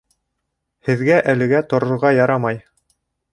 Һеҙгә әлегә торорға ярамай